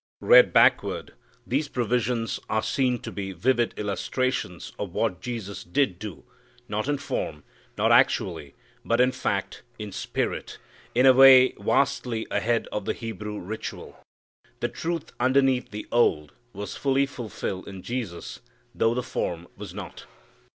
Read backward, these provisions are seen to be vivid illustrations of what Jesus did do, not in form, not actually, but in fact, in spirit, in a way vastly ahead of the Hebrew ritual. The truth underneath the old was fully fulfilled in Jesus, though the form was not.